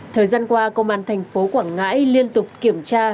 thời gian qua công an thành phố quảng ngãi liên tục kiểm tra